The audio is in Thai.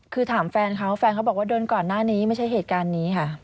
คือถามแฟนเขาแฟนเขาบอกว่าโดนก่อนหน้านี้ไม่ใช่เหตุการณ์นี้ค่ะ